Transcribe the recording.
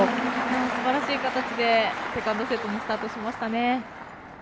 すばらしい形でセカンドセットスタートしましたね。